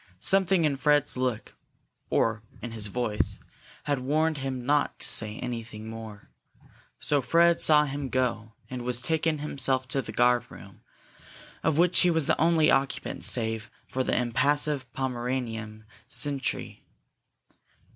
Something in Fred's look, or in his voice, had warned him not to say anything more. So Fred saw him go, and was taken himself to the guard room, of which he was the only occupant save for the impassive Pomeranian sentry.